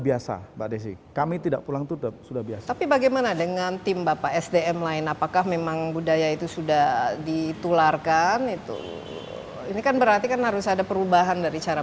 biasa kami tidak pulang itu sudah biasa